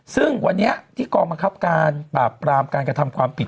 ซึ่งวันนี้ที่กองบังคับการปราบปรามการกระทำความผิด